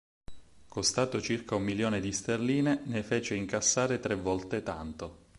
Costato circa un milione di sterline, ne fece incassare tre volte tanto.